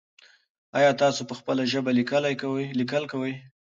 ایا تاسو په خپله ژبه لیکل کوئ؟